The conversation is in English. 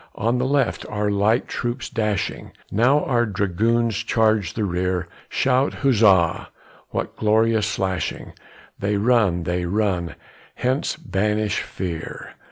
On the left, our light troops dashing, Now our dragoons charge the rear, Shout! huzza! what glorious slashing, They run, they run, hence banish fear!